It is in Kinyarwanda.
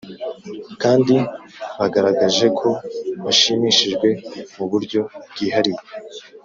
Kandi bagaragaje ko bashimishijwe mu buryo bwihariye